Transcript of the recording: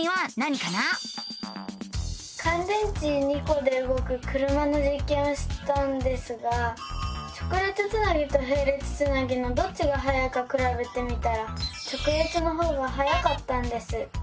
かん電池２コでうごく車のじっけんをしたんですが直列つなぎとへい列つなぎのどっちがはやいかくらべてみたら直列のほうがはやかったんです。